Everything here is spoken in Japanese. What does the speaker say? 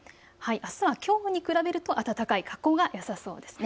あすはきょうに比べると暖かい格好がよさそうですね。